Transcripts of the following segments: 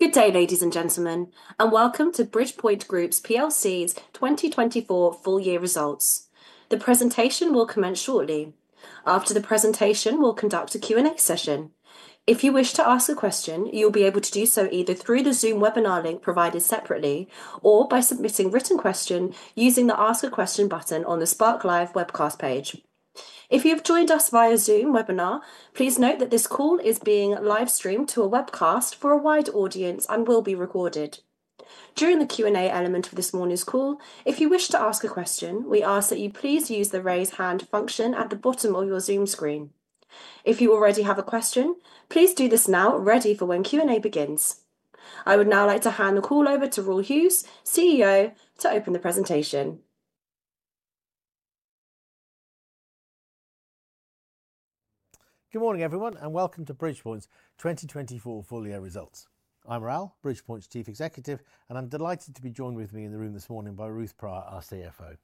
Good day, ladies and gentlemen, and welcome to Bridgepoint Group's 2024 full year results. The presentation will commence shortly. After the presentation, we'll conduct a Q&A session. If you wish to ask a question, you'll be able to do so either through the Zoom webinar link provided separately or by submitting a written question using the Ask a Question button on the Spark Live webcast page. If you have joined us via Zoom webinar, please note that this call is being live streamed to a webcast for a wide audience and will be recorded. During the Q&A element of this morning's call, if you wish to ask a question, we ask that you please use the raise hand function at the bottom of your Zoom screen. If you already have a question, please do this now, ready for when Q&A begins. I would now like to hand the call over to Raoul Hughes, CEO, to open the presentation. Good morning, everyone, and welcome to Bridgepoint's 2024 full year results. I'm Raoul, Bridgepoint's Chief Executive, and I'm delighted to be joined with me in the room this morning by Ruth Prior, our CFO.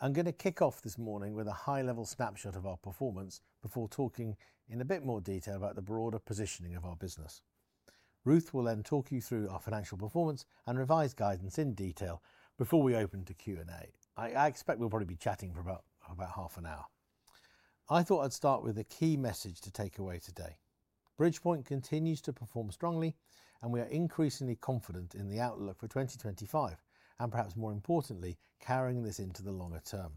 I'm going to kick off this morning with a high-level snapshot of our performance before talking in a bit more detail about the broader positioning of our business. Ruth will then talk you through our financial performance and revised guidance in detail before we open to Q&A. I expect we'll probably be chatting for about half an hour. I thought I'd start with a key message to take away today. Bridgepoint continues to perform strongly, and we are increasingly confident in the outlook for 2025, and perhaps more importantly, carrying this into the longer term.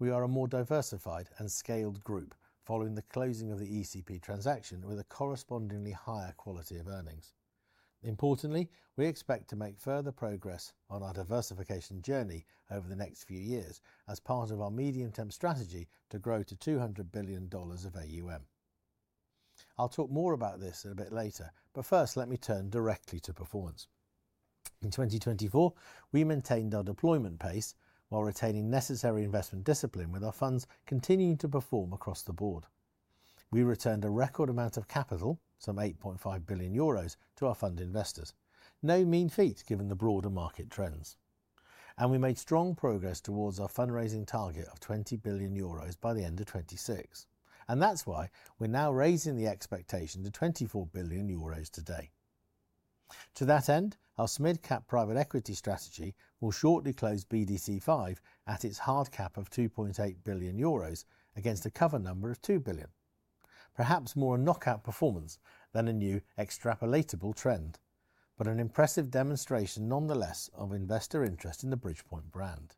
We are a more diversified and scaled group following the closing of the ECP transaction with a correspondingly higher quality of earnings. Importantly, we expect to make further progress on our diversification journey over the next few years as part of our medium-term strategy to grow to $200 billion of AUM. I'll talk more about this a bit later, but first, let me turn directly to performance. In 2024, we maintained our deployment pace while retaining necessary investment discipline with our funds continuing to perform across the board. We returned a record amount of capital, some 8.5 billion euros, to our fund investors, no mean feat given the broader market trends. We made strong progress towards our fundraising target of 20 billion euros by the end of 2026. That is why we're now raising the expectation to 24 billion euros today. To that end, our SMID cap private equity strategy will shortly close BDC5 at its hard cap of 2.8 billion euros against a cover number of 2 billion. Perhaps more a knockout performance than a new extrapolatable trend, but an impressive demonstration nonetheless of investor interest in the Bridgepoint brand.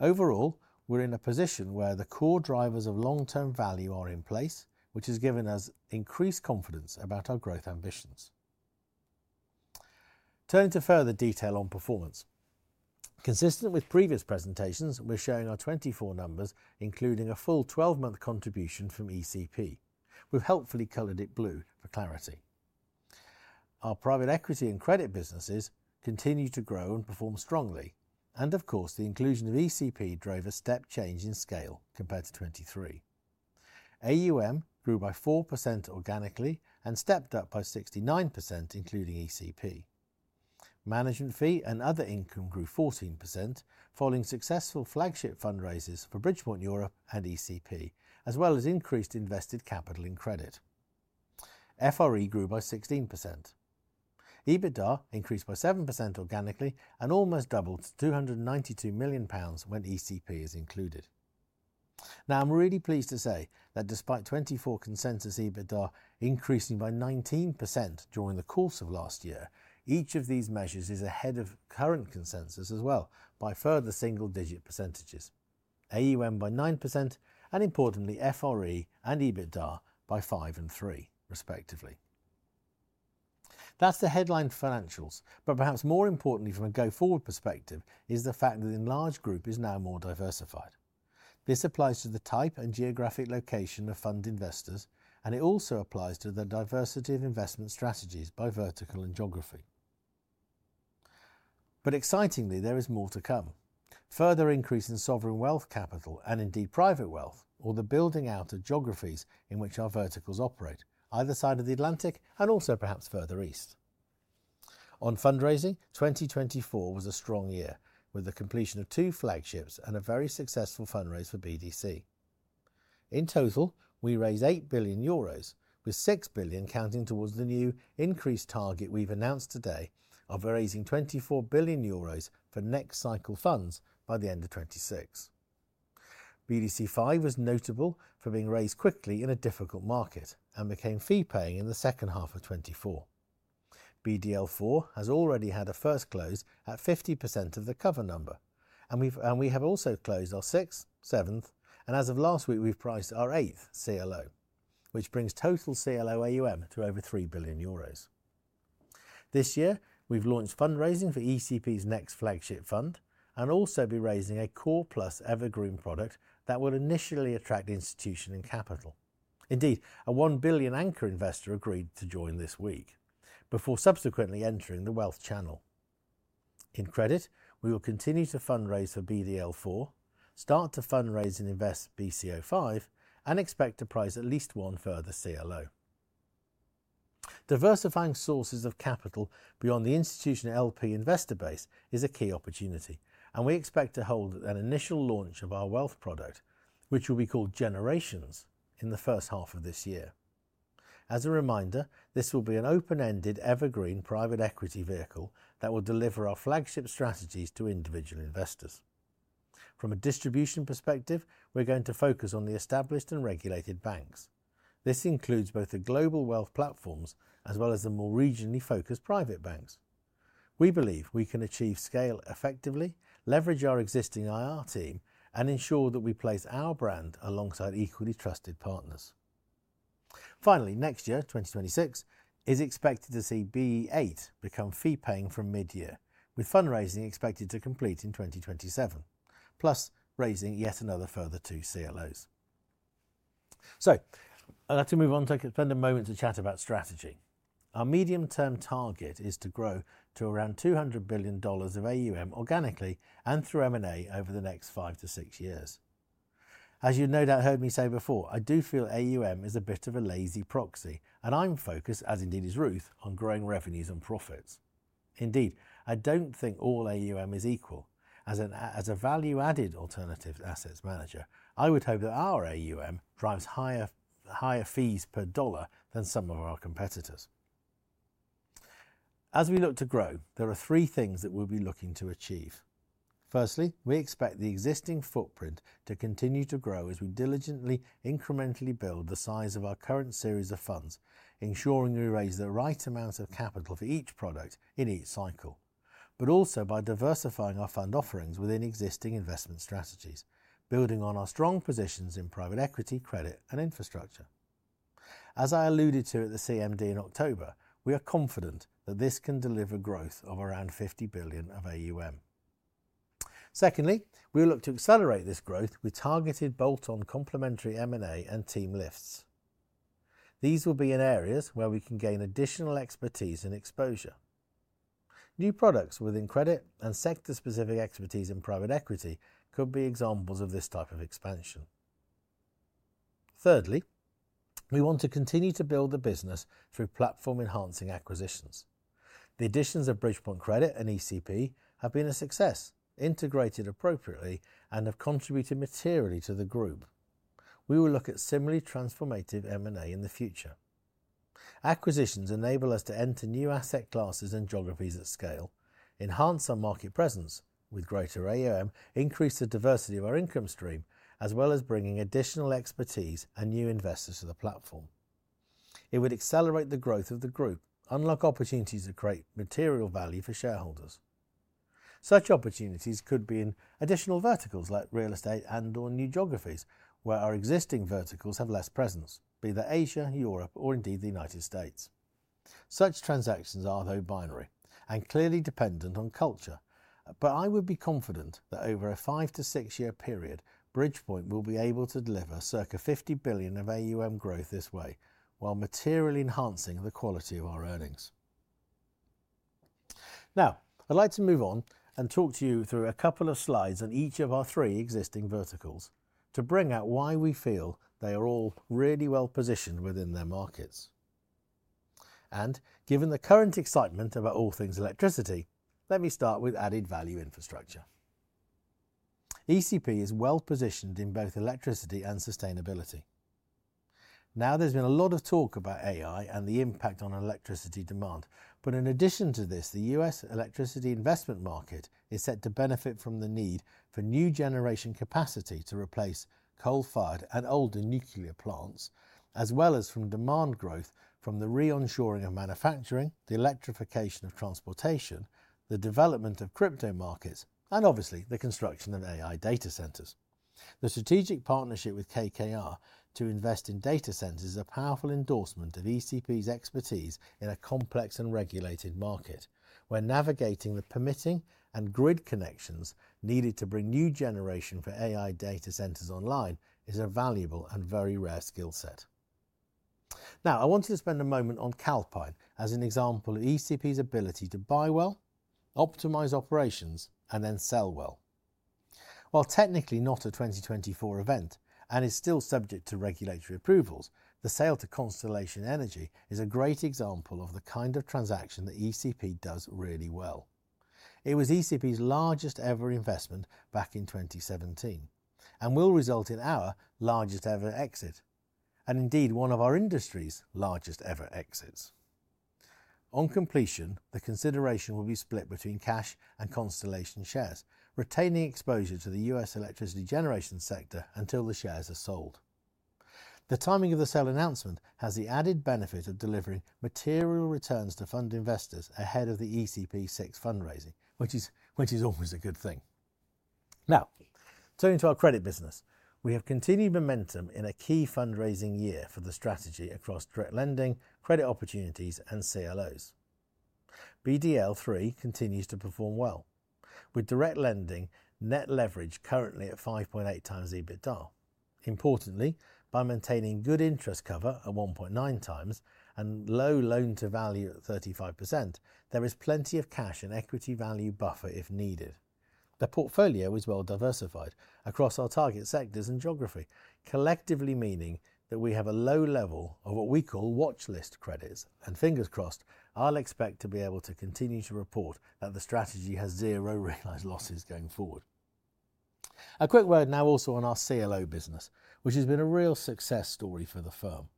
Overall, we're in a position where the core drivers of long-term value are in place, which has given us increased confidence about our growth ambitions. Turning to further detail on performance. Consistent with previous presentations, we're showing our 2024 numbers, including a full 12-month contribution from ECP. We've helpfully colored it blue for clarity. Our private equity and credit businesses continue to grow and perform strongly. Of course, the inclusion of ECP drove a step change in scale compared to 2023. AUM grew by 4% organically and stepped up by 69%, including ECP. Management fee and other income grew 14%, following successful flagship fundraisers for Bridgepoint Europe and ECP, as well as increased invested capital in credit. FRE grew by 16%. EBITDA increased by 7% organically and almost doubled to 292 million pounds when ECP is included. Now, I'm really pleased to say that despite 2024 consensus EBITDA increasing by 19% during the course of last year, each of these measures is ahead of current consensus as well by further single-digit percentages. AUM by 9%, and importantly, FRE and EBITDA by 5% and 3%, respectively. That's the headline financials, but perhaps more importantly from a go-forward perspective is the fact that the enlarged group is now more diversified. This applies to the type and geographic location of fund investors, and it also applies to the diversity of investment strategies by vertical and geography. Excitingly, there is more to come. Further increase in sovereign wealth capital and indeed private wealth, or the building out of geographies in which our verticals operate, either side of the Atlantic and also perhaps further east. On fundraising, 2024 was a strong year with the completion of two flagships and a very successful fundraise for BDC. In total, we raised 8 billion euros, with 6 billion counting towards the new increased target we have announced today of raising 24 billion euros for next cycle funds by the end of 2026. BDC5 was notable for being raised quickly in a difficult market and became fee-paying in the second half of 2024. BDL4 has already had a first close at 50% of the cover number, and we have also closed our sixth, seventh, and as of last week, we have priced our eighth CLO, which brings total CLO AUM to over 3 billion euros. This year, we've launched fundraising for ECP's next flagship fund and also be raising a core plus evergreen product that will initially attract institution and capital. Indeed, a 1 billion anchor investor agreed to join this week before subsequently entering the wealth channel. In credit, we will continue to fundraise for BDL4, start to fundraise and invest BCO5, and expect to price at least one further CLO. Diversifying sources of capital beyond the institutional LP investor base is a key opportunity, and we expect to hold an initial launch of our wealth product, which will be called Generations, in the first half of this year. As a reminder, this will be an open-ended evergreen private equity vehicle that will deliver our flagship strategies to individual investors. From a distribution perspective, we're going to focus on the established and regulated banks. This includes both the global wealth platforms as well as the more regionally focused private banks. We believe we can achieve scale effectively, leverage our existing IR team, and ensure that we place our brand alongside equally trusted partners. Finally, next year, 2026, is expected to see BE8 become fee-paying from mid-year, with fundraising expected to complete in 2027, plus raising yet another further two CLOs. I would like to move on to spend a moment to chat about strategy. Our medium-term target is to grow to around $200 billion of AUM organically and through M&A over the next five to six years. As you have no doubt heard me say before, I do feel AUM is a bit of a lazy proxy, and I am focused, as indeed is Ruth, on growing revenues and profits. Indeed, I do not think all AUM is equal. As a value-added alternative assets manager, I would hope that our AUM drives higher fees per dollar than some of our competitors. As we look to grow, there are three things that we'll be looking to achieve. Firstly, we expect the existing footprint to continue to grow as we diligently incrementally build the size of our current series of funds, ensuring we raise the right amount of capital for each product in each cycle, but also by diversifying our fund offerings within existing investment strategies, building on our strong positions in private equity, credit, and infrastructure. As I alluded to at the CMD in October, we are confident that this can deliver growth of around $50 billion of AUM. Secondly, we'll look to accelerate this growth with targeted bolt-on complementary M&A and team lifts. These will be in areas where we can gain additional expertise and exposure. New products within credit and sector-specific expertise in private equity could be examples of this type of expansion. Thirdly, we want to continue to build the business through platform-enhancing acquisitions. The additions of Bridgepoint Credit and ECP have been a success, integrated appropriately, and have contributed materially to the group. We will look at similarly transformative M&A in the future. Acquisitions enable us to enter new asset classes and geographies at scale, enhance our market presence with greater AUM, increase the diversity of our income stream, as well as bringing additional expertise and new investors to the platform. It would accelerate the growth of the group, unlock opportunities to create material value for shareholders. Such opportunities could be in additional verticals like real estate and/or new geographies where our existing verticals have less presence, be that Asia, Europe, or indeed the United States. Such transactions are though binary and clearly dependent on culture, but I would be confident that over a five- to six-year period, Bridgepoint will be able to deliver circa $50 billion of AUM growth this way while materially enhancing the quality of our earnings. Now, I'd like to move on and talk you through a couple of slides on each of our three existing verticals to bring out why we feel they are all really well positioned within their markets. Given the current excitement about all things electricity, let me start with added value infrastructure. ECP is well positioned in both electricity and sustainability. Now, there's been a lot of talk about AI and the impact on electricity demand, but in addition to this, the US electricity investment market is set to benefit from the need for new generation capacity to replace coal-fired and older nuclear plants, as well as from demand growth from the reshoring of manufacturing, the electrification of transportation, the development of crypto markets, and obviously the construction of AI data centers. The strategic partnership with KKR to invest in data centers is a powerful endorsement of ECP's expertise in a complex and regulated market, where navigating the permitting and grid connections needed to bring new generation for AI data centers online is a valuable and very rare skill set. Now, I wanted to spend a moment on Calpine as an example of ECP's ability to buy well, optimize operations, and then sell well. While technically not a 2024 event and is still subject to regulatory approvals, the sale to Constellation Energy is a great example of the kind of transaction that ECP does really well. It was ECP's largest ever investment back in 2017 and will result in our largest ever exit, and indeed one of our industry's largest ever exits. On completion, the consideration will be split between cash and Constellation shares, retaining exposure to the U.S. electricity generation sector until the shares are sold. The timing of the sale announcement has the added benefit of delivering material returns to fund investors ahead of the ECP 6 fundraising, which is always a good thing. Now, turning to our credit business, we have continued momentum in a key fundraising year for the strategy across direct lending, credit opportunities, and CLOs. BDL3 continues to perform well with direct lending net leverage currently at 5.8 times EBITDA. Importantly, by maintaining good interest cover at 1.9 times and low loan-to-value at 35%, there is plenty of cash and equity value buffer if needed. The portfolio is well diversified across our target sectors and geography, collectively meaning that we have a low level of what we call watchlist credits, and fingers crossed, I'll expect to be able to continue to report that the strategy has zero realized losses going forward. A quick word now also on our CLO business, which has been a real success story for the firm.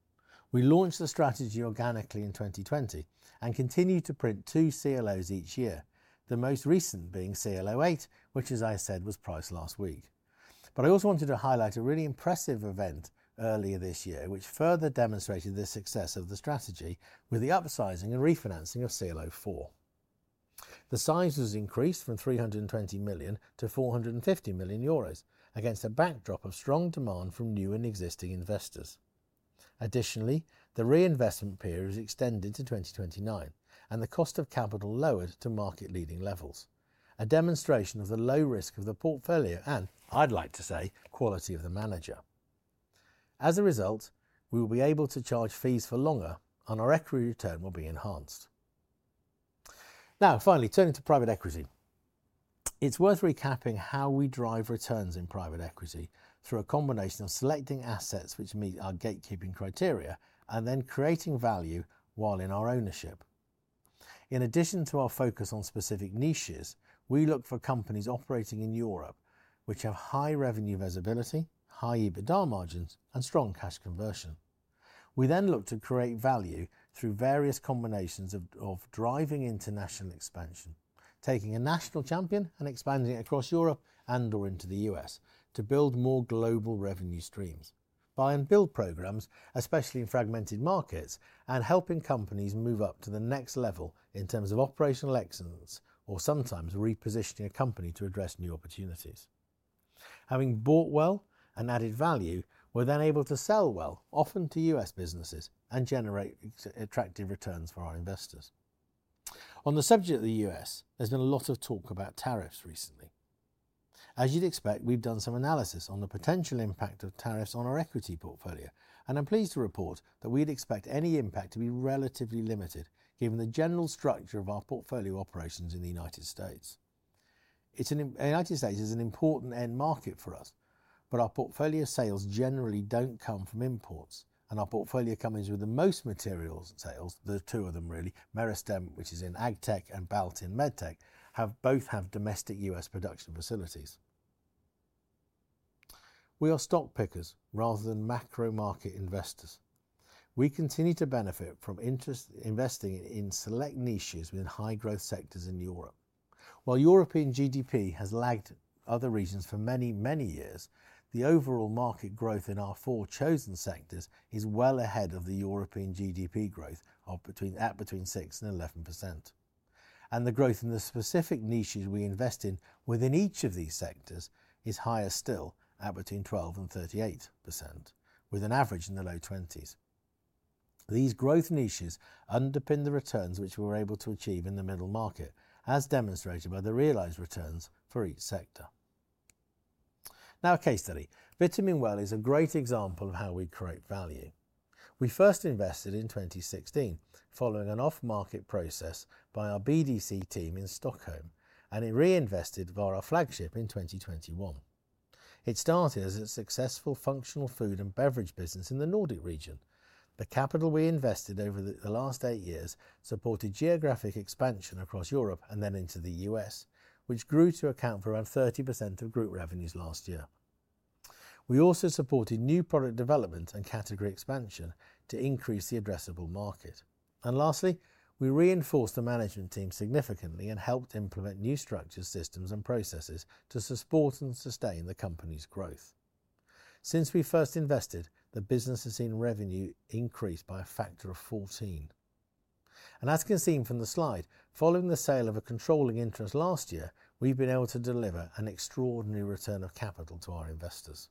We launched the strategy organically in 2020 and continue to print two CLOs each year, the most recent being CLO8, which, as I said, was priced last week. I also wanted to highlight a really impressive event earlier this year, which further demonstrated the success of the strategy with the upsizing and refinancing of CLO4. The size was increased from 320 million to 450 million euros against a backdrop of strong demand from new and existing investors. Additionally, the reinvestment period was extended to 2029, and the cost of capital lowered to market-leading levels, a demonstration of the low risk of the portfolio and, I'd like to say, quality of the manager. As a result, we will be able to charge fees for longer, and our equity return will be enhanced. Now, finally, turning to private equity, it's worth recapping how we drive returns in private equity through a combination of selecting assets, which meet our gatekeeping criteria, and then creating value while in our ownership. In addition to our focus on specific niches, we look for companies operating in Europe, which have high revenue visibility, high EBITDA margins, and strong cash conversion. We then look to create value through various combinations of driving international expansion, taking a national champion and expanding across Europe and/or into the U.S. to build more global revenue streams, buy-and-build programs, especially in fragmented markets, and helping companies move up to the next level in terms of operational excellence, or sometimes repositioning a company to address new opportunities. Having bought well and added value, we're then able to sell well, often to U.S. businesses, and generate attractive returns for our investors. On the subject of the U.S., there's been a lot of talk about tariffs recently. As you'd expect, we've done some analysis on the potential impact of tariffs on our equity portfolio, and I'm pleased to report that we'd expect any impact to be relatively limited given the general structure of our portfolio operations in the United States. The United States is an important end market for us, but our portfolio sales generally don't come from imports, and our portfolio companies with the most materials sales, the two of them really, Meristem, which is in Agtech, and Balt in Medtech, both have domestic U.S. production facilities. We are stock pickers rather than macro market investors. We continue to benefit from investing in select niches within high-growth sectors in Europe. While European GDP has lagged other regions for many, many years, the overall market growth in our four chosen sectors is well ahead of the European GDP growth at between 6% and 11%. The growth in the specific niches we invest in within each of these sectors is higher still at between 12%-38%, with an average in the low 20%. These growth niches underpin the returns which we were able to achieve in the middle market, as demonstrated by the realized returns for each sector. Now, a case study. Vitamin Well is a great example of how we create value. We first invested in 2016 following an off-market process by our BDC team in Stockholm, and it reinvested via our flagship in 2021. It started as a successful functional food and beverage business in the Nordic region. The capital we invested over the last eight years supported geographic expansion across Europe and then into the U.S., which grew to account for around 30% of group revenues last year. We also supported new product development and category expansion to increase the addressable market. Lastly, we reinforced the management team significantly and helped implement new structures, systems, and processes to support and sustain the company's growth. Since we first invested, the business has seen revenue increase by a factor of 14. As can be seen from the slide, following the sale of a controlling interest last year, we've been able to deliver an extraordinary return of capital to our investors.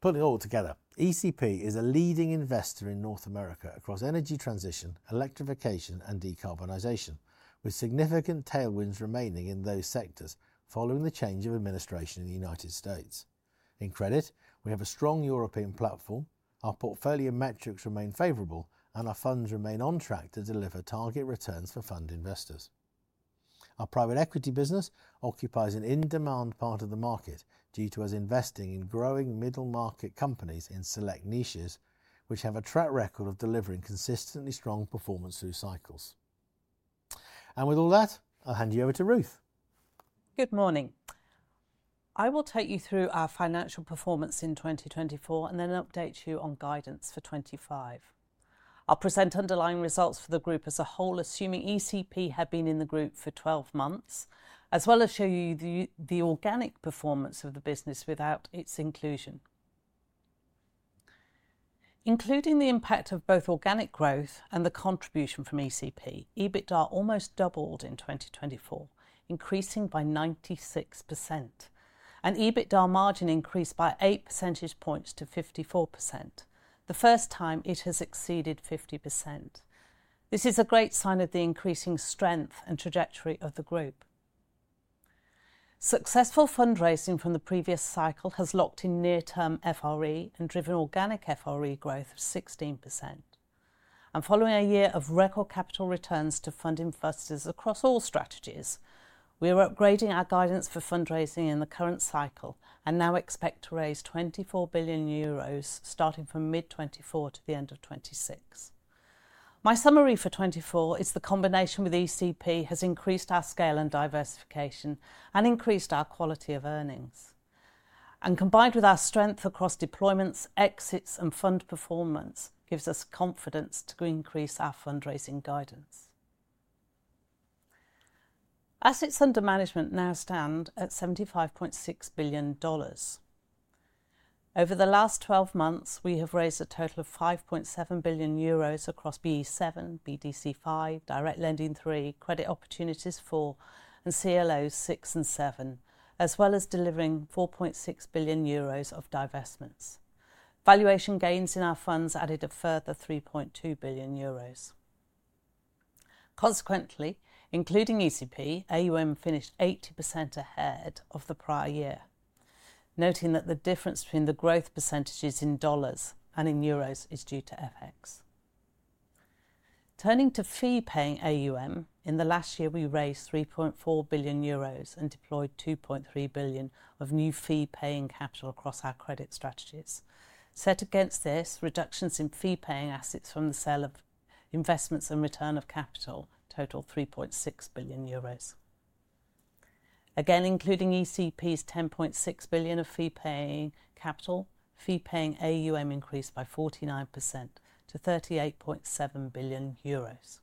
Putting it all together, ECP is a leading investor in North America across energy transition, electrification, and decarbonization, with significant tailwinds remaining in those sectors following the change of administration in the United States. In credit, we have a strong European platform, our portfolio metrics remain favorable, and our funds remain on track to deliver target returns for fund investors. Our private equity business occupies an in-demand part of the market due to us investing in growing middle market companies in select niches, which have a track record of delivering consistently strong performance through cycles. With all that, I'll hand you over to Ruth. Good morning. I will take you through our financial performance in 2024 and then update you on guidance for 2025. I'll present underlying results for the group as a whole, assuming ECP had been in the group for 12 months, as well as show you the organic performance of the business without its inclusion. Including the impact of both organic growth and the contribution from ECP, EBITDA almost doubled in 2024, increasing by 96%, and EBITDA margin increased by 8% points to 54%, the first time it has exceeded 50%. This is a great sign of the increasing strength and trajectory of the group. Successful fundraising from the previous cycle has locked in near-term FRE and driven organic FRE growth of 16%. Following a year of record capital returns to fund investors across all strategies, we are upgrading our guidance for fundraising in the current cycle and now expect to raise 24 billion euros starting from mid-2024 to the end of 2026. My summary for 2024 is the combination with ECP has increased our scale and diversification and increased our quality of earnings. Combined with our strength across deployments, exits, and fund performance gives us confidence to increase our fundraising guidance. Assets under management now stand at $75.6 billion. Over the last 12 months, we have raised a total of 5.7 billion euros across BE7, BDC5, BDL3, Credit Opportunities 4, and CLO6 and CLO7, as well as delivering 4.6 billion euros of divestments. Valuation gains in our funds added a further 3.2 billion euros. Consequently, including ECP, AUM finished 80% ahead of the prior year, noting that the difference between the growth percentages in dollars and in euros is due to FX. Turning to fee-paying AUM, in the last year, we raised 3.4 billion euros and deployed 2.3 billion of new fee-paying capital across our credit strategies. Set against this, reductions in fee-paying assets from the sale of investments and return of capital totaled 3.6 billion euros. Again, including ECP's 10.6 billion of fee-paying capital, fee-paying AUM increased by 49% to 38.7 billion euros.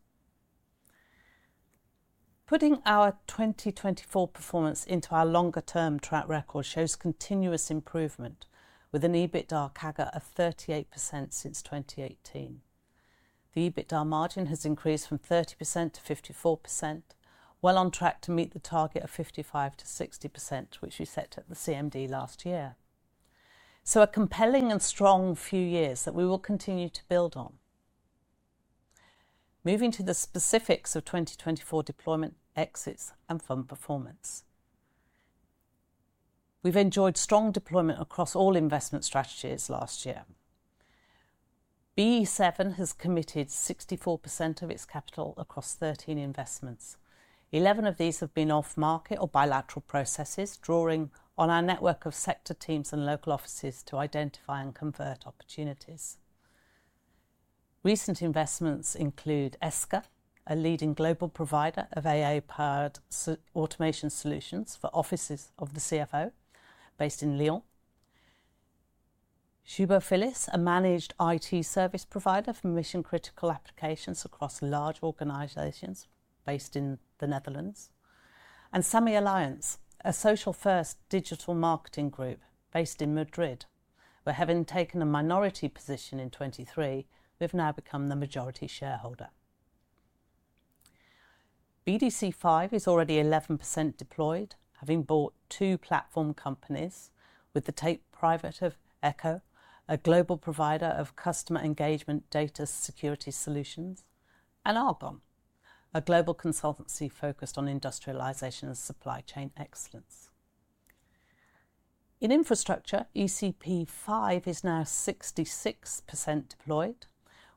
Putting our 2024 performance into our longer-term track record shows continuous improvement, with an EBITDA CAGR of 38% since 2018. The EBITDA margin has increased from 30%-54%, well on track to meet the target of 55%-60%, which we set at the CMD last year. A compelling and strong few years that we will continue to build on. Moving to the specifics of 2024 deployment, exits, and fund performance. We have enjoyed strong deployment across all investment strategies last year. BE7 has committed 64% of its capital across 13 investments. Eleven of these have been off-market or bilateral processes, drawing on our network of sector teams and local offices to identify and convert opportunities. Recent investments include Esker, a leading global provider of AI-powered automation solutions for offices of the CFO, based in Lyon, Schuberg Philis, a managed IT service provider for mission-critical applications across large organizations, based in the Netherlands, and Samy Alliance, a social-first digital marketing group, based in Madrid. Where having taken a minority position in 2023, we have now become the majority shareholder. BDC5 is already 11% deployed, having bought two platform companies with the take-private of ECHO, a global provider of customer engagement data security solutions, and Argon, a global consultancy focused on industrialization and supply chain excellence. In infrastructure, ECP5 is now 66% deployed,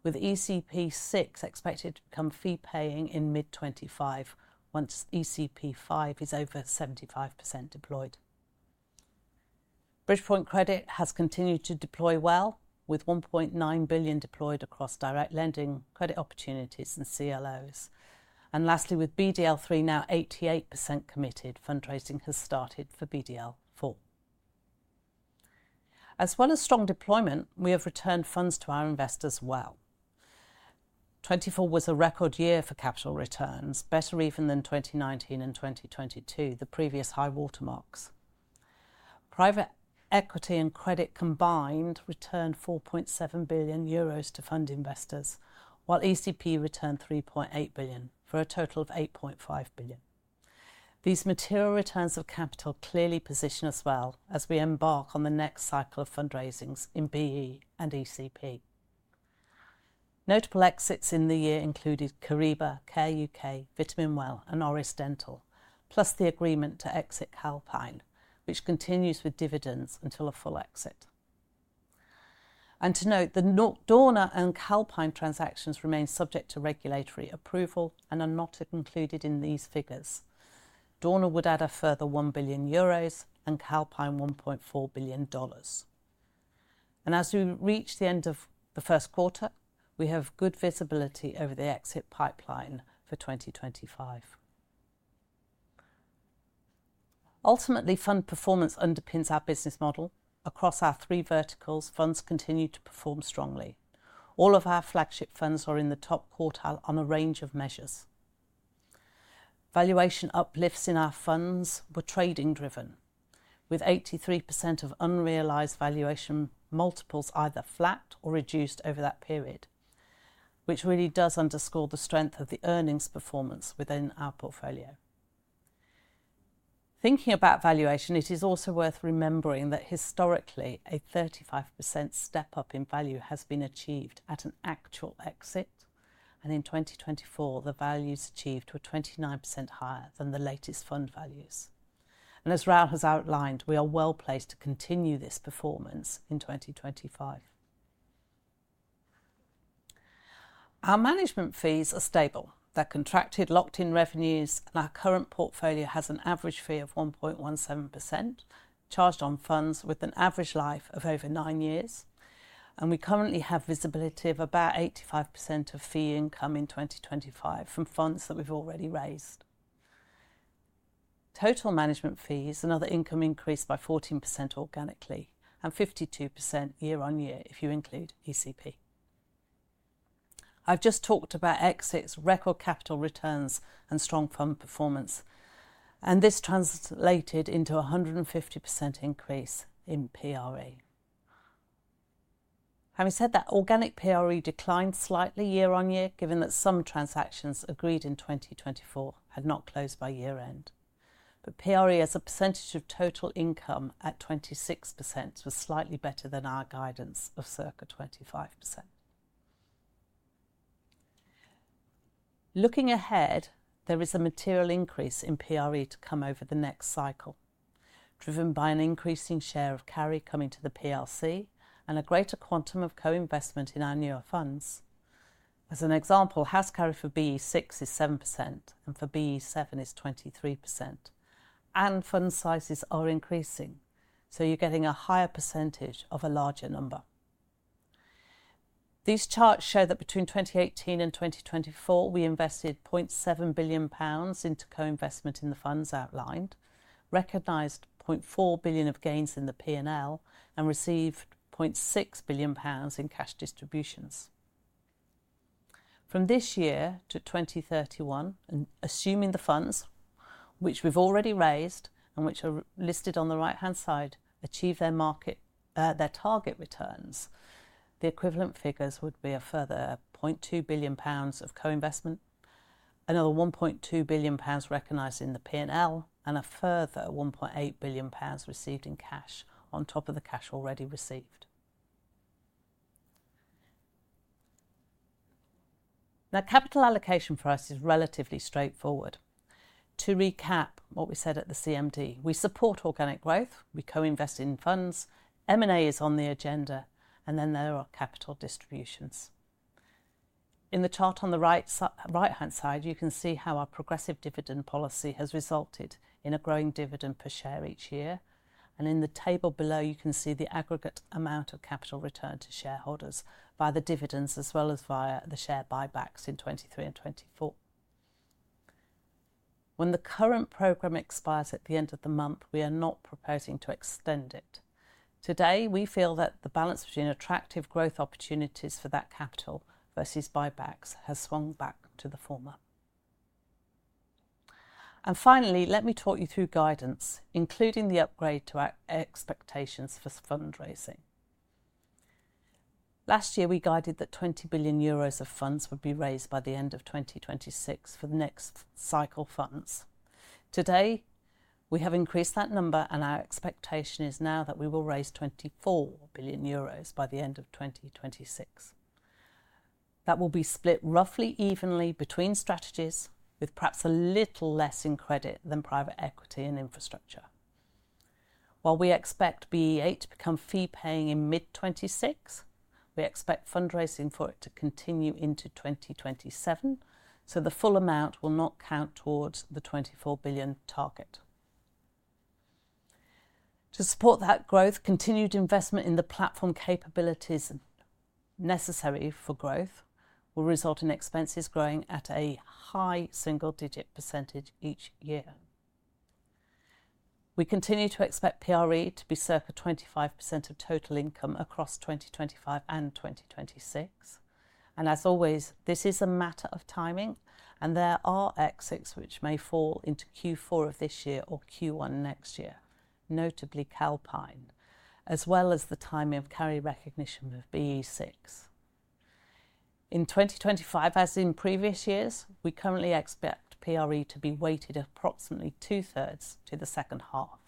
with ECP6 expected to become fee-paying in mid-2025 once ECP5 is over 75% deployed. Bridgepoint Credit has continued to deploy well, with 1.9 billion deployed across direct lending, credit opportunities, and CLOs. Lastly, with BDL3 now 88% committed, fundraising has started for BDL4. As well as strong deployment, we have returned funds to our investors well. 2024 was a record year for capital returns, better even than 2019 and 2022, the previous high watermarks. Private equity and credit combined returned 4.7 billion euros to fund investors, while ECP returned 3.8 billion for a total of 8.5 billion. These material returns of capital clearly position us well as we embark on the next cycle of fundraisings in BE and ECP. Notable exits in the year included Kyriba, Care UK, Vitamin Well, and Oris Dental, plus the agreement to exit Calpine, which continues with dividends until a full exit. To note, the Dorner and Calpine transactions remain subject to regulatory approval and are not included in these figures. Dorner would add a further 1 billion euros and Calpine $1.4 billion. As we reach the end of the first quarter, we have good visibility over the exit pipeline for 2025. Ultimately, fund performance underpins our business model. Across our three verticals, funds continue to perform strongly. All of our flagship funds are in the top quartile on a range of measures. Valuation uplifts in our funds were trading-driven, with 83% of unrealized valuation multiples either flat or reduced over that period, which really does underscore the strength of the earnings performance within our portfolio. Thinking about valuation, it is also worth remembering that historically, a 35% step-up in value has been achieved at an actual exit, and in 2024, the values achieved were 29% higher than the latest fund values. As Raoul has outlined, we are well placed to continue this performance in 2025. Our management fees are stable. They're contracted, locked in revenues, and our current portfolio has an average fee of 1.17% charged on funds with an average life of over nine years. We currently have visibility of about 85% of fee income in 2025 from funds that we've already raised. Total management fees and other income increased by 14% organically and 52% year on year if you include ECP. I've just talked about exits, record capital returns, and strong fund performance, and this translated into a 150% increase in PRE. Having said that, organic PRE declined slightly year on year, given that some transactions agreed in 2024 had not closed by year-end. PRE as a percentage of total income at 26% was slightly better than our guidance of circa 25%. Looking ahead, there is a material increase in PRE to come over the next cycle, driven by an increasing share of carry coming to the PLC and a greater quantum of co-investment in our newer funds. As an example, house carry for BE6 is 7% and for BE7 is 23%. Fund sizes are increasing, so you're getting a higher percentage of a larger number. These charts show that between 2018 and 2024, we invested 0.7 billion pounds into co-investment in the funds outlined, recognized 0.4 billion of gains in the P&L, and received 0.6 billion pounds in cash distributions. From this year to 2031, assuming the funds, which we've already raised and which are listed on the right-hand side, achieve their target returns, the equivalent figures would be a further 0.2 billion pounds of co-investment, another 1.2 billion pounds recognized in the P&L, and a further 1.8 billion pounds received in cash on top of the cash already received. Now, capital allocation for us is relatively straightforward. To recap what we said at the CMD, we support organic growth, we co-invest in funds, M&A is on the agenda, and then there are capital distributions. In the chart on the right-hand side, you can see how our progressive dividend policy has resulted in a growing dividend per share each year. In the table below, you can see the aggregate amount of capital returned to shareholders via the dividends as well as via the share buybacks in 2023 and 2024. When the current programme expires at the end of the month, we are not proposing to extend it. Today, we feel that the balance between attractive growth opportunities for that capital versus buybacks has swung back to the former. Finally, let me talk you through guidance, including the upgrade to our expectations for fundraising. Last year, we guided that 20 billion euros of funds would be raised by the end of 2026 for the next cycle funds. Today, we have increased that number, and our expectation is now that we will raise 24 billion euros by the end of 2026. That will be split roughly evenly between strategies, with perhaps a little less in credit than private equity and infrastructure. While we expect BE8 to become fee-paying in mid-2026, we expect fundraising for it to continue into 2027, so the full amount will not count towards the 24 billion target. To support that growth, continued investment in the platform capabilities necessary for growth will result in expenses growing at a high single-digit % each year. We continue to expect PRE to be circa 25% of total income across 2025 and 2026. This is a matter of timing, and there are exits which may fall into Q4 of this year or Q1 next year, notably Calpine, as well as the timing of carry recognition of BE6. In 2025, as in previous years, we currently expect PRE to be weighted approximately two-thirds to the second half.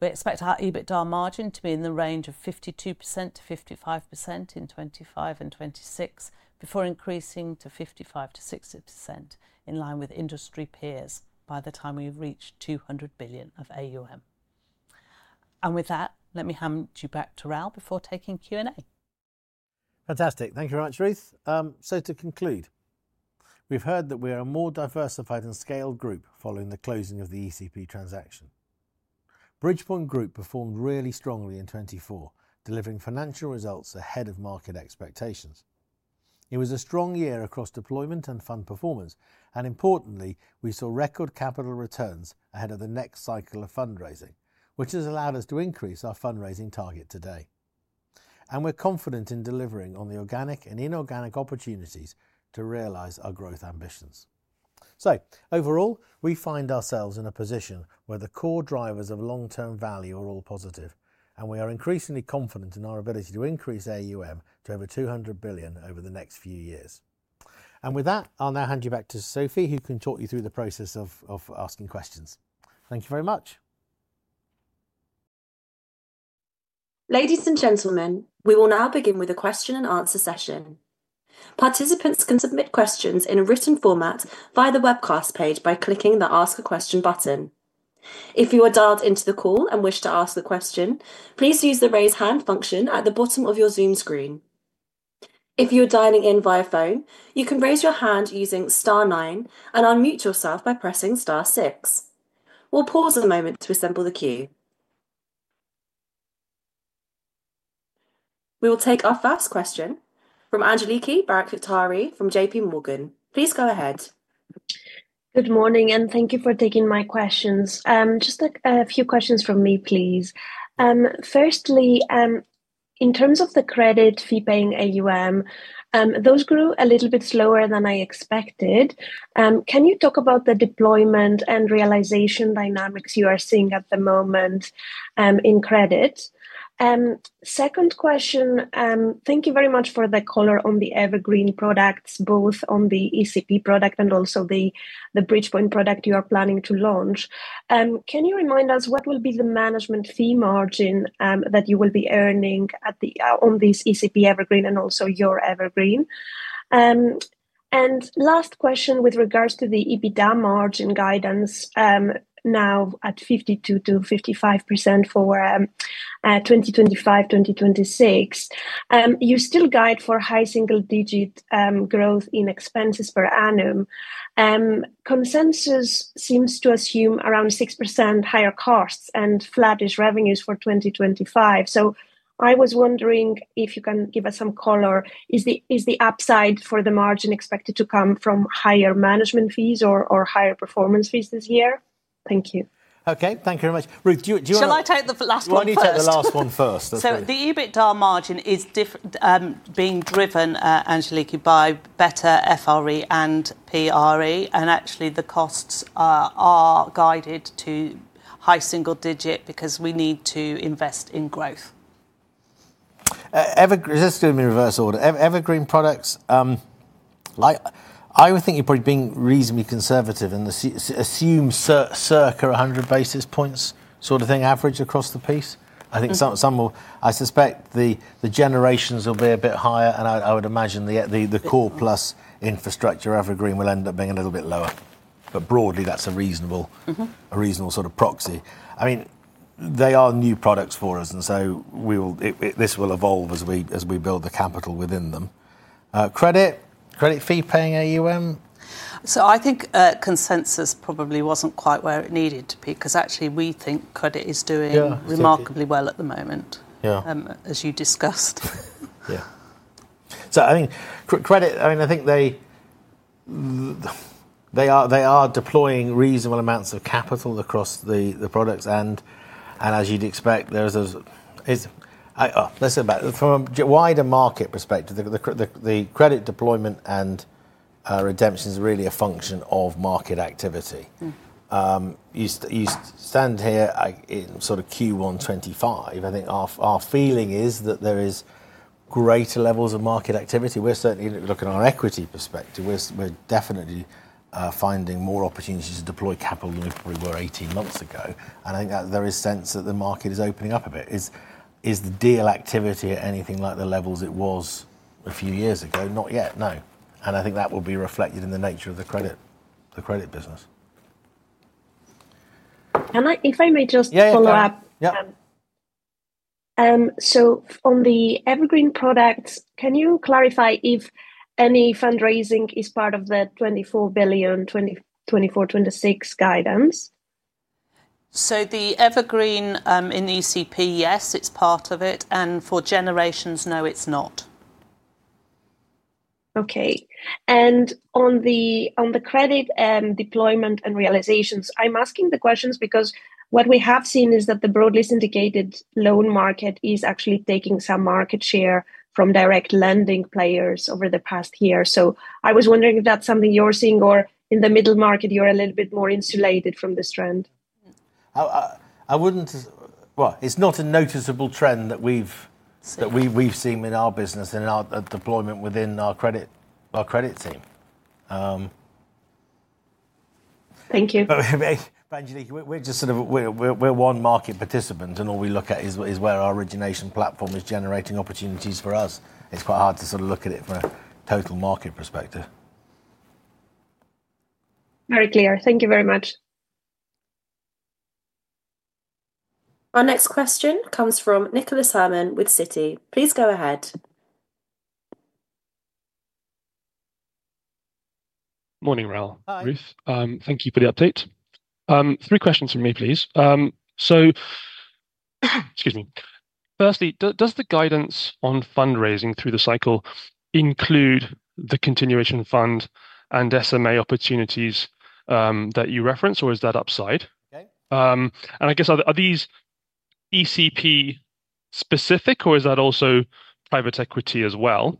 We expect our EBITDA margin to be in the range of 52%-55% in 2025 and 2026, before increasing to 55%-60% in line with industry peers by the time we have reached 200 billion of AUM. With that, let me hand you back to Raoul before taking Q&A. Fantastic. Thank you very much, Ruth. To conclude, we have heard that we are a more diversified and scaled group following the closing of the ECP transaction. Bridgepoint Group performed really strongly in 2024, delivering financial results ahead of market expectations. It was a strong year across deployment and fund performance, and importantly, we saw record capital returns ahead of the next cycle of fundraising, which has allowed us to increase our fundraising target today. We are confident in delivering on the organic and inorganic opportunities to realize our growth ambitions. Overall, we find ourselves in a position where the core drivers of long-term value are all positive, and we are increasingly confident in our ability to increase AUM to over 200 billion over the next few years. With that, I'll now hand you back to Sophie, who can talk you through the process of asking questions. Thank you very much. Ladies and gentlemen, we will now begin with a question and answer session. Participants can submit questions in a written format via the webcast page by clicking the Ask a Question button. If you are dialed into the call and wish to ask a question, please use the Raise Hand function at the bottom of your Zoom screen. If you are dialing in via phone, you can raise your hand using Star nine and unmute yourself by pressing Star six. We'll pause a moment to assemble the queue. We will take our first question from Angeliki Bairaktari from JPMorgan. Please go ahead. Good morning, and thank you for taking my questions. Just a few questions from me, please. Firstly, in terms of the credit fee-paying AUM, those grew a little bit slower than I expected. Can you talk about the deployment and realization dynamics you are seeing at the moment in credit? Second question, thank you very much for the color on the evergreen products, both on the ECP product and also the Bridgepoint product you are planning to launch. Can you remind us what will be the management fee margin that you will be earning on this ECP evergreen and also your evergreen? Last question with regards to the EBITDA margin guidance now at 52%-55% for 2025-2026. You still guide for high single-digit growth in expenses per annum. Consensus seems to assume around 6% higher costs and flattish revenues for 2025. I was wondering if you can give us some color. Is the upside for the margin expected to come from higher management fees or higher performance fees this year? Thank you. Thank you very much. Ruth, do you want to— Shall I take the last one? Why don't you take the last one first? The EBITDA margin is being driven, Angeliki, by better FRE and PRE, and actually the costs are guided to high single-digit because we need to invest in growth. This is going to be in reverse order. Evergreen products, I would think you're probably being reasonably conservative and assume circa 100 basis points sort of thing average across the piece. I think some will—I suspect the generations will be a bit higher, and I would imagine the core plus infrastructure evergreen will end up being a little bit lower. Broadly, that's a reasonable sort of proxy. I mean, they are new products for us, and so this will evolve as we build the capital within them. Credit, credit fee-paying AUM? I think consensus probably wasn't quite where it needed to be because actually we think credit is doing remarkably well at the moment, as you discussed. Yeah. I mean, credit, I mean, I think they are deploying reasonable amounts of capital across the products, and as you'd expect, there is a—let's go back. From a wider market perspective, the credit deployment and redemptions are really a function of market activity. You stand here in sort of Q1 2025, I think our feeling is that there are greater levels of market activity. We're certainly looking at our equity perspective. We're definitely finding more opportunities to deploy capital than we probably were 18 months ago. I think that there is a sense that the market is opening up a bit. Is the deal activity at anything like the levels it was a few years ago? Not yet, no. I think that will be reflected in the nature of the credit business. Can I, if I may just follow up? Yeah, yeah. On the evergreen products, can you clarify if any fundraising is part of the $24 billion, 2024-2026 guidance? The evergreen in the ECP, yes, it's part of it. For generations, no, it's not. Okay. On the credit deployment and realizations, I'm asking the questions because what we have seen is that the broadly syndicated loan market is actually taking some market share from direct lending players over the past year. I was wondering if that's something you're seeing or in the middle market, you're a little bit more insulated from this trend? I wouldn't—it's not a noticeable trend that we've seen in our business and our deployment within our credit team. Thank you. Angeliki, we're just sort of—we're one market participant, and all we look at is where our origination platform is generating opportunities for us. It's quite hard to sort of look at it from a total market perspective. Very clear. Thank you very much. Our next question comes from Nicholas Herman with Citi. Please go ahead. Morning, Raoul. Hi, Ruth. Thank you for the update. Three questions from me, please. Excuse me. Firstly, does the guidance on fundraising through the cycle include the continuation fund and SMA opportunities that you reference, or is that upside? Okay. I guess, are these ECP-specific, or is that also private equity as well?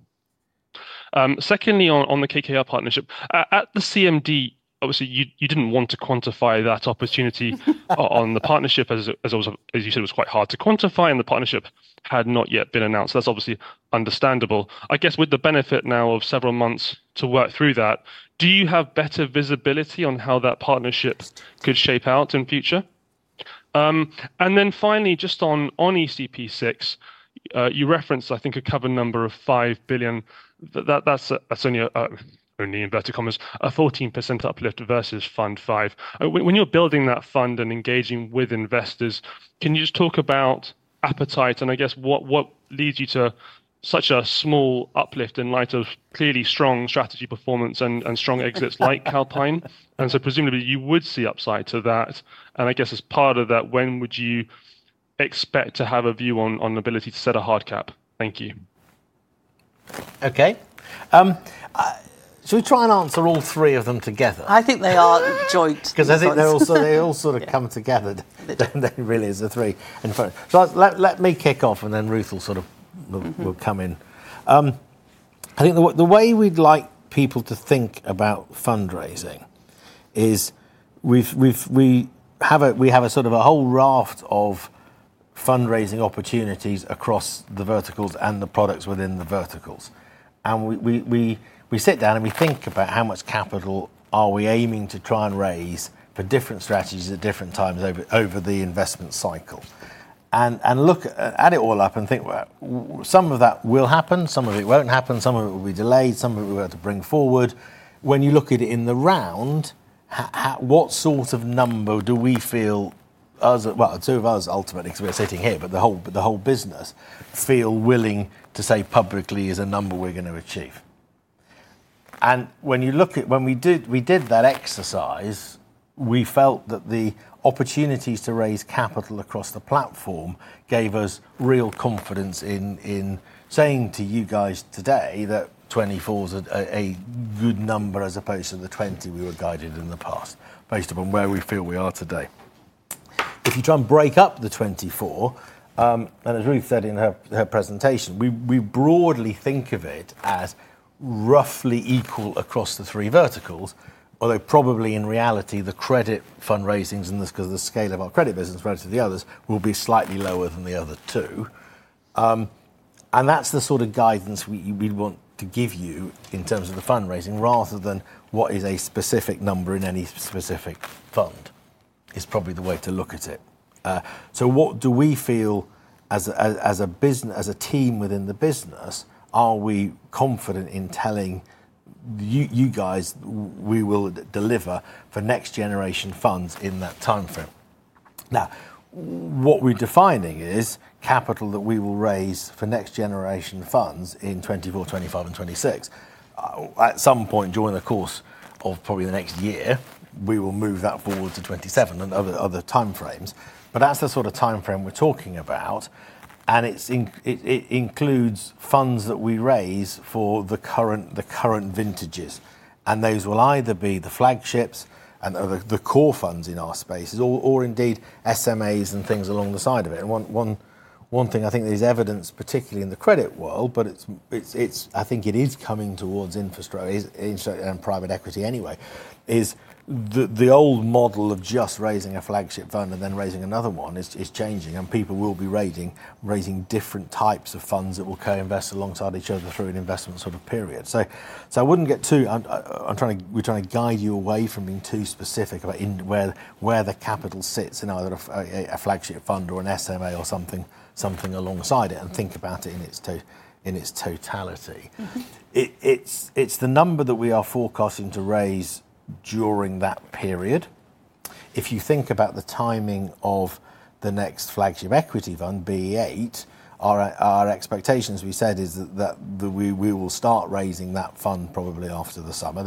Secondly, on the KKR partnership, at the CMD, obviously, you did not want to quantify that opportunity on the partnership, as you said, it was quite hard to quantify, and the partnership had not yet been announced. That is obviously understandable. I guess with the benefit now of several months to work through that, do you have better visibility on how that partnership could shape out in future? Finally, just on ECP6, you referenced, I think, a cover number of $5 billion. That is only, only in better comments, a 14% uplift versus Fund 5. When you're building that fund and engaging with investors, can you just talk about appetite and, I guess, what leads you to such a small uplift in light of clearly strong strategy performance and strong exits like Calpine? Presumably, you would see upside to that. I guess as part of that, when would you expect to have a view on the ability to set a hard cap? Thank you. Okay. We try and answer all three of them together. I think they are joint. I think they all sort of come together. They really are the three in front. Let me kick off, and then Ruth will sort of come in. I think the way we'd like people to think about fundraising is we have a sort of a whole raft of fundraising opportunities across the verticals and the products within the verticals. We sit down and we think about how much capital are we aiming to try and raise for different strategies at different times over the investment cycle. We look at it all up and think, well, some of that will happen, some of it will not happen, some of it will be delayed, some of it we will have to bring forward. When you look at it in the round, what sort of number do we feel—well, two of us ultimately, because we are sitting here, but the whole business—feel willing to say publicly is a number we are going to achieve? When you look at—when we did that exercise, we felt that the opportunities to raise capital across the platform gave us real confidence in saying to you guys today that 24 is a good number as opposed to the 20 we were guided in the past, based upon where we feel we are today. If you try and break up the 24, and as Ruth said in her presentation, we broadly think of it as roughly equal across the three verticals, although probably in reality, the credit fundraisings and the scale of our credit business relative to the others will be slightly lower than the other two. That is the sort of guidance we want to give you in terms of the fundraising rather than what is a specific number in any specific fund is probably the way to look at it. What do we feel as a team within the business, are we confident in telling you guys we will deliver for next generation funds in that timeframe? Now, what we're defining is capital that we will raise for next generation funds in 2024, 2025, and 2026. At some point during the course of probably the next year, we will move that forward to 2027 and other timeframes. That is the sort of timeframe we're talking about, and it includes funds that we raise for the current vintages. Those will either be the flagships and the core funds in our spaces, or indeed SMAs and things along the side of it. One thing I think there's evidence, particularly in the credit world, but I think it is coming towards infrastructure and private equity anyway, is the old model of just raising a flagship fund and then raising another one is changing, and people will be raising different types of funds that will co-invest alongside each other through an investment sort of period. I would not get too—we're trying to guide you away from being too specific about where the capital sits in either a flagship fund or an SMA or something alongside it and think about it in its totality. It's the number that we are forecasting to raise during that period. If you think about the timing of the next flagship equity fund, BE8, our expectations, we said, is that we will start raising that fund probably after the summer.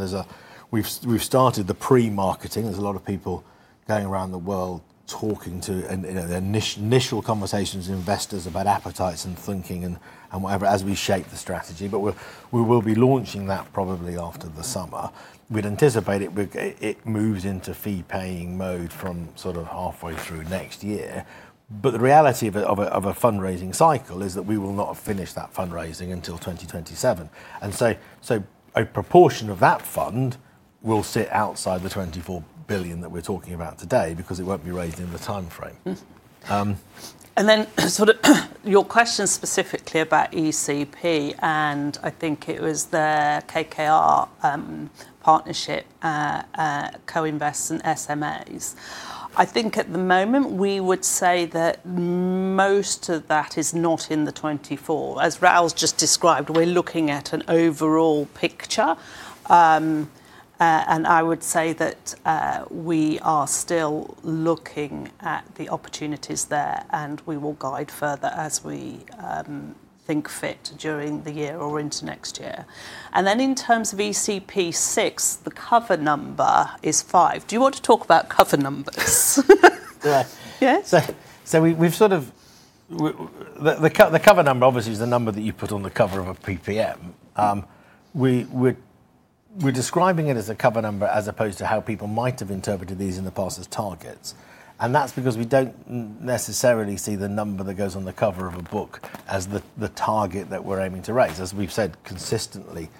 We've started the pre-marketing. There's a lot of people going around the world talking to initial conversations with investors about appetites and thinking and whatever as we shape the strategy. We will be launching that probably after the summer. We'd anticipate it moves into fee-paying mode from sort of halfway through next year. The reality of a fundraising cycle is that we will not finish that fundraising until 2027. A proportion of that fund will sit outside the $24 billion that we're talking about today because it won't be raised in the timeframe. Your question specifically about ECP, and I think it was the KKR partnership, co-investment and SMAs. I think at the moment, we would say that most of that is not in the $24 billion. As Raoul's just described, we're looking at an overall picture. I would say that we are still looking at the opportunities there, and we will guide further as we think fit during the year or into next year. In terms of ECP6, the cover number is five. Do you want to talk about cover numbers? Yes. We have sort of—the cover number obviously is the number that you put on the cover of a PPM. We are describing it as a cover number as opposed to how people might have interpreted these in the past as targets. That is because we do not necessarily see the number that goes on the cover of a book as the target that we are aiming to raise. As we have said consistently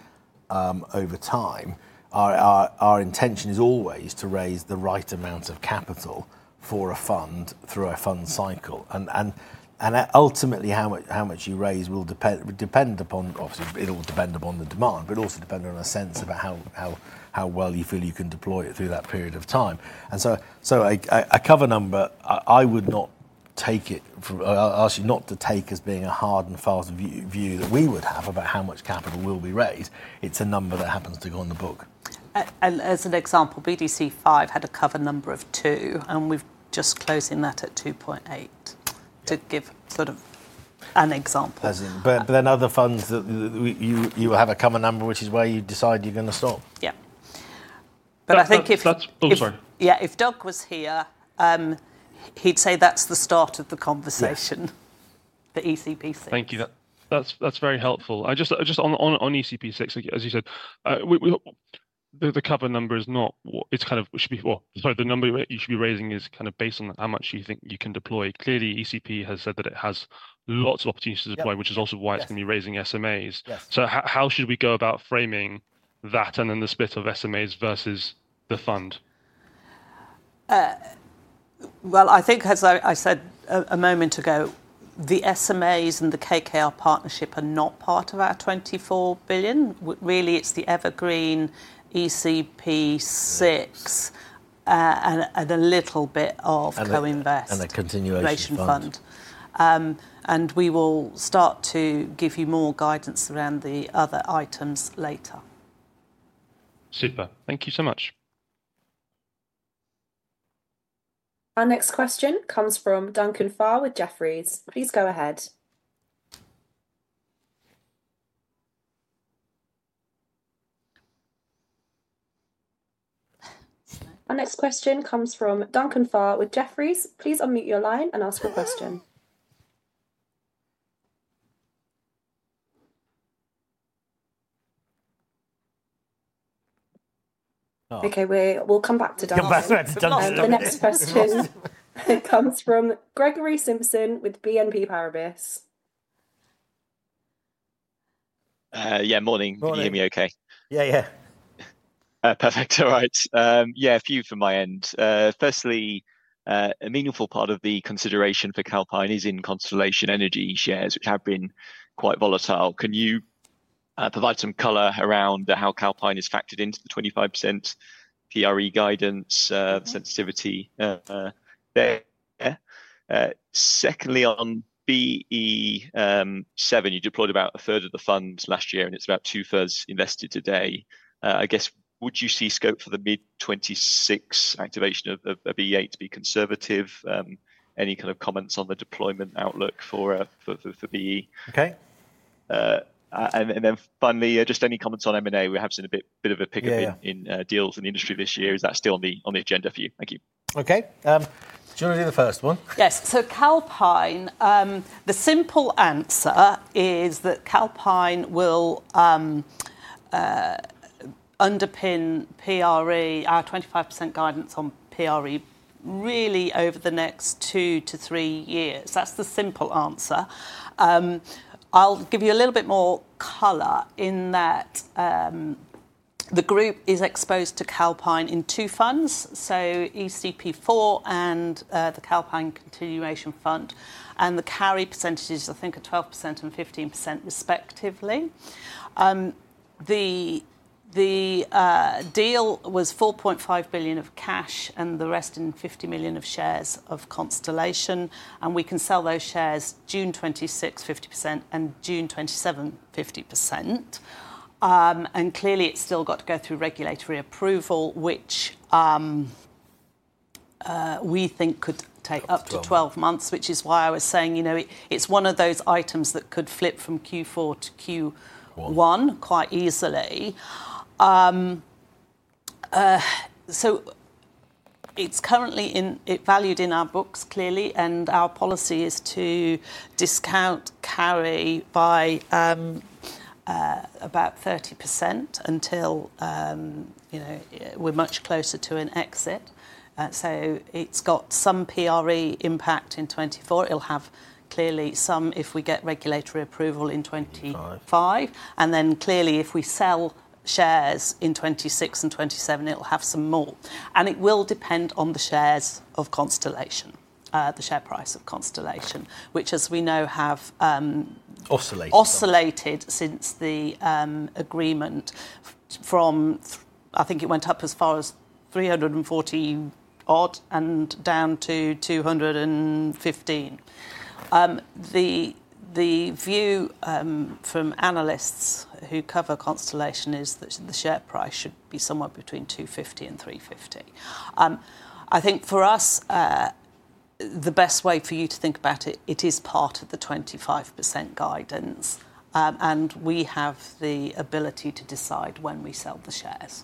over time, our intention is always to raise the right amount of capital for a fund through a fund cycle. Ultimately, how much you raise will depend upon—obviously, it will depend upon the demand, but it also depends on a sense about how well you feel you can deploy it through that period of time. A cover number, I would not take it—I'll ask you not to take as being a hard and fast view that we would have about how much capital will be raised. It's a number that happens to go on the book. As an example, BDC5 had a cover number of two, and we've just closing that at 2.8 to give sort of an example. Other funds, you will have a cover number, which is where you decide you're going to stop. Yeah. I think if—yeah, if Doug was here, he'd say that's the start of the conversation, the ECP6. Thank you. That's very helpful. Just on ECP6, as you said, the cover number is not—it's kind of—it should be—sorry, the number you should be raising is kind of based on how much you think you can deploy. Clearly, ECP has said that it has lots of opportunities to deploy, which is also why it's going to be raising SMAs. How should we go about framing that and then the split of SMAs versus the fund? I think, as I said a moment ago, the SMAs and the KKR partnership are not part of our $24 billion. Really, it's the evergreen ECP6 and a little bit of Coinvest. And a continuation. And a continuation fund. We will start to give you more guidance around the other items later. Super. Thank you so much. Our next question comes from Duncan Farr with Jefferies. Please go ahead. Our next question comes from Duncan Farr with Jefferies. Please unmute your line and ask a question. Okay, we'll come back to Duncan. The next question comes from Gregory Simpson with BNP Paribas. Yeah, morning. Can you hear me okay? Yeah, yeah. Perfect. All right. Yeah, a few from my end. Firstly, a meaningful part of the consideration for Calpine is in Constellation Energy shares, which have been quite volatile. Can you provide some color around how Calpine is factored into the 25% PRE guidance sensitivity there? Secondly, on BE7, you deployed about a third of the fund last year, and it's about two-thirds invested today. I guess, would you see scope for the mid-2026 activation of BE8 to be conservative? Any kind of comments on the deployment outlook for BE? Okay. And then finally, just any comments on M&A? We have seen a bit of a pickup in deals in the industry this year. Is that still on the agenda for you? Thank you. Okay. Do you want to do the first one? Yes. Calpine, the simple answer is that Calpine will underpin PRE, our 25% guidance on PRE, really over the next two to three years. That is the simple answer. I'll give you a little bit more color in that the group is exposed to Calpine in two funds, so ECP4 and the Calpine Continuation Fund, and the carry percentages, I think, are 12% and 15% respectively. The deal was $4.5 billion of cash and the rest in $50 million of shares of Constellation. We can sell those shares June 26, 50%, and June 27, 50%. Clearly, it's still got to go through regulatory approval, which we think could take up to 12 months, which is why I was saying it's one of those items that could flip from Q4-Q1 quite easily. It's currently valued in our books, clearly, and our policy is to discount carry by about 30% until we're much closer to an exit. It's got some PRE impact in 2024. It'll have clearly some if we get regulatory approval in 2025. Clearly, if we sell shares in 2026 and 2027, it'll have some more. It will depend on the shares of Constellation, the share price of Constellation, which, as we know, have oscillated since the agreement from, I think it went up as far as $340 and down to $215. The view from analysts who cover Constellation is that the share price should be somewhere between $250 and $350. I think for us, the best way for you to think about it, it is part of the 25% guidance, and we have the ability to decide when we sell the shares.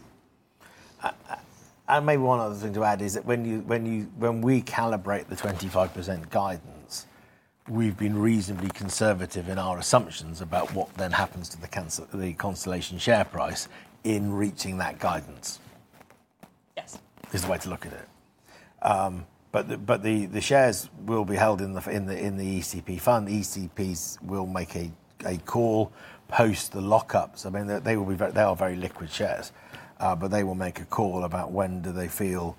Maybe one other thing to add is that when we calibrate the 25% guidance, we've been reasonably conservative in our assumptions about what then happens to the Constellation share price in reaching that guidance. Yes. That is the way to look at it. The shares will be held in the ECP fund. ECPs will make a call post the lockups. I mean, they are very liquid shares, but they will make a call about when do they feel,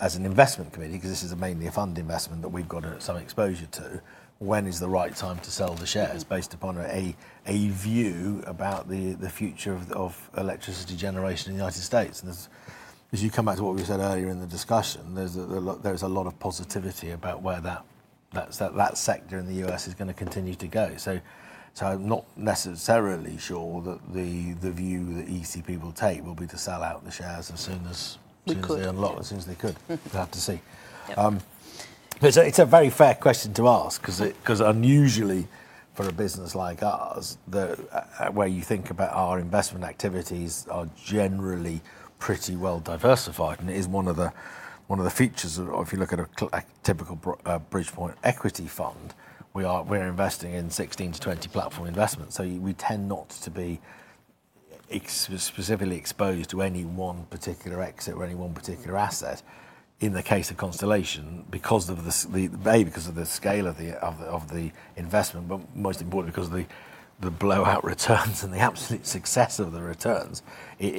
as an investment committee, because this is mainly a fund investment that we've got some exposure to, when is the right time to sell the shares based upon a view about the future of electricity generation in the United States. As you come back to what we said earlier in the discussion, there's a lot of positivity about where that sector in the US is going to continue to go. I'm not necessarily sure that the view that ECP will take will be to sell out the shares as soon as they unlock, as soon as they could. We'll have to see. It's a very fair question to ask because unusually for a business like ours, where you think about our investment activities are generally pretty well diversified, and it is one of the features of, if you look at a typical Bridgepoint equity fund, we're investing in 16 to 20 platform investments. We tend not to be specifically exposed to any one particular exit or any one particular asset in the case of Constellation because of the scale of the investment, but most importantly, because of the blowout returns and the absolute success of the returns. There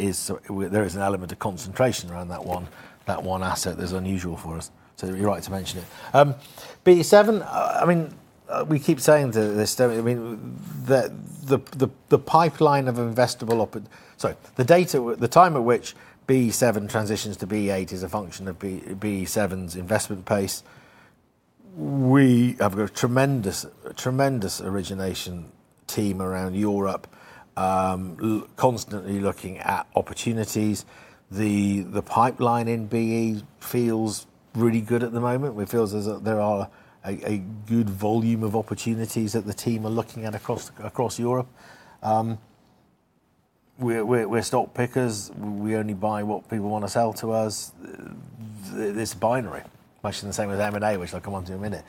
is an element of concentration around that one asset that is unusual for us. You're right to mention it. BE7, I mean, we keep saying this. I mean, the pipeline of investable, sorry, the time at which BE7 transitions to BE8 is a function of BE7's investment pace. We have a tremendous origination team around Europe constantly looking at opportunities. The pipeline in BE feels really good at the moment. It feels as though there are a good volume of opportunities that the team are looking at across Europe. We're stock pickers. We only buy what people want to sell to us. It's binary, much the same as M&A, which I'll come on to in a minute.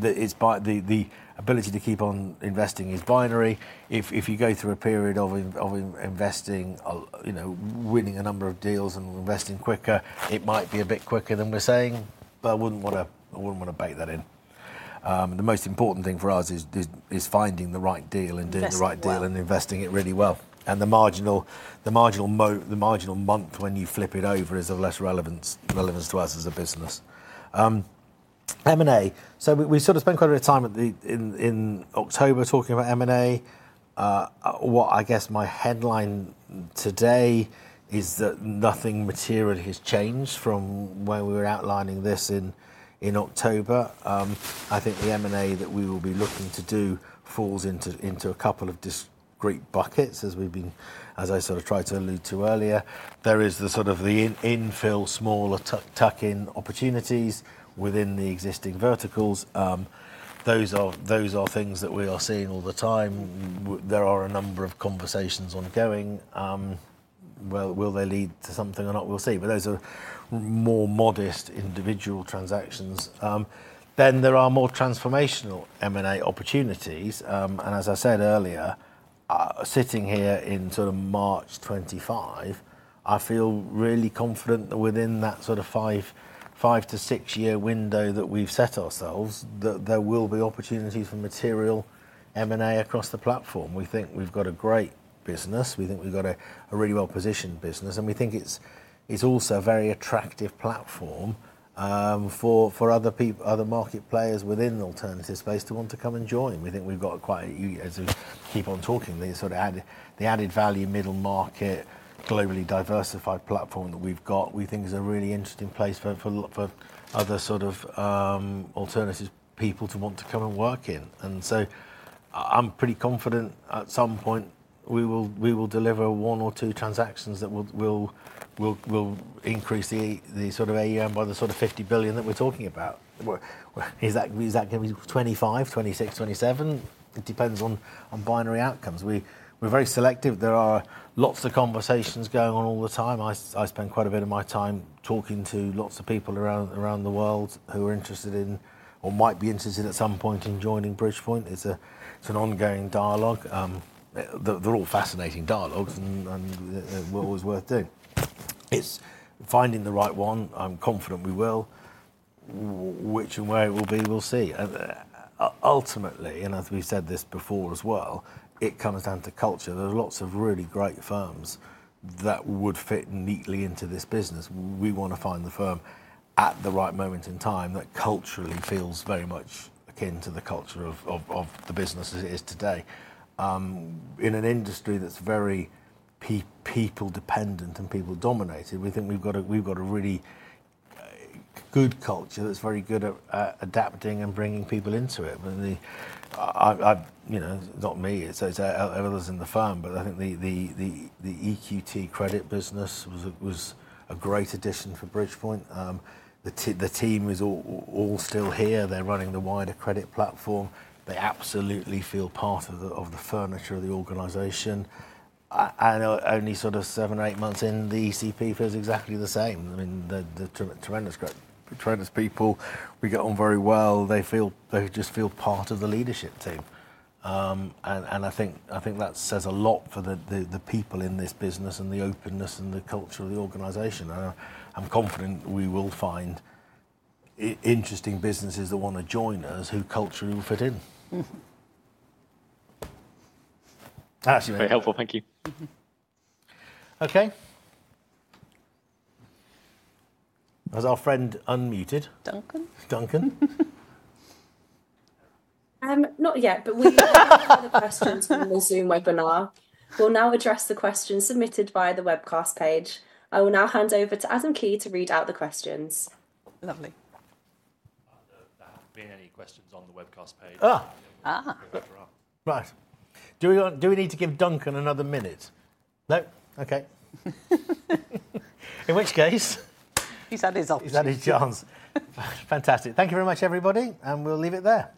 The ability to keep on investing is binary. If you go through a period of investing, winning a number of deals and investing quicker, it might be a bit quicker than we're saying, but I wouldn't want to bake that in. The most important thing for us is finding the right deal and doing the right deal and investing it really well. The marginal month when you flip it over is of less relevance to us as a business. M&A. We sort of spent quite a bit of time in October talking about M&A. I guess my headline today is that nothing material has changed from where we were outlining this in October. I think the M&A that we will be looking to do falls into a couple of discrete buckets, as I sort of tried to allude to earlier. There is the sort of the infill, smaller tuck-in opportunities within the existing verticals. Those are things that we are seeing all the time. There are a number of conversations ongoing. Will they lead to something or not? We'll see. Those are more modest individual transactions. There are more transformational M&A opportunities. As I said earlier, sitting here in sort of March 25, I feel really confident that within that sort of five to six-year window that we've set ourselves, there will be opportunities for material M&A across the platform. We think we've got a great business. We think we've got a really well-positioned business. We think it's also a very attractive platform for other market players within the alternative space to want to come and join. We think we've got quite a, as we keep on talking, the added value middle market, globally diversified platform that we've got, we think is a really interesting place for other sort of alternative people to want to come and work in. I'm pretty confident at some point we will deliver one or two transactions that will increase the sort of AUM by the sort of $50 billion that we're talking about. Is that going to be 2025, 2026, 2027? It depends on binary outcomes. We're very selective. There are lots of conversations going on all the time. I spend quite a bit of my time talking to lots of people around the world who are interested in or might be interested at some point in joining Bridgepoint. It's an ongoing dialogue. They're all fascinating dialogues and always worth doing. It's finding the right one. I'm confident we will. Which and where it will be, we'll see. Ultimately, and as we've said this before as well, it comes down to culture. There are lots of really great firms that would fit neatly into this business. We want to find the firm at the right moment in time that culturally feels very much akin to the culture of the business as it is today. In an industry that's very people-dependent and people-dominated, we think we've got a really good culture that's very good at adapting and bringing people into it. Not me, it's others in the firm, but I think the EQT credit business was a great addition for Bridgepoint. The team is all still here. They're running the wider credit platform. They absolutely feel part of the furniture of the organization. Only sort of seven, eight months in, the ECP feels exactly the same. I mean, the tremendous people. We get on very well. They just feel part of the leadership team. I think that says a lot for the people in this business and the openness and the culture of the organization. I'm confident we will find interesting businesses that want to join us who culturally will fit in. That's very helpful. Thank you. Okay. Has our friend unmuted? Duncan. Duncan. Not yet, but we've got a couple of questions from the Zoom webinar. We'll now address the questions submitted by the webcast page. I will now hand over to Adam Key to read out the questions. Lovely. Are there any questions on the webcast page? Right. Do we need to give Duncan another minute? Nope. Okay. In which case? He's had his opportunity. He's had his chance. Fantastic. Thank you very much, everybody. We'll leave it there.